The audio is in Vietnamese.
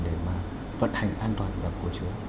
để mà vận hành an toàn và cổ trứ